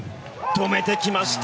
止めてきました